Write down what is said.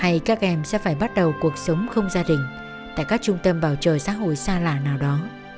hay các em sẽ phải bắt đầu cuộc sống không gia đình tại các trung tâm bảo trợ xã hội xa lạ nào đó